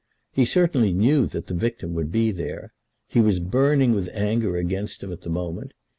He certainly knew that the victim would be there. He was burning with anger against him at the moment.